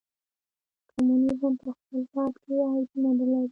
کمونیزم په خپل ذات کې عیب نه لري.